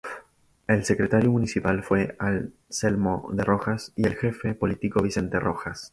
El secretario Municipal fue Anselmo de Rojas y el Jefe Político Vicente Rojas.